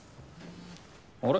あれ？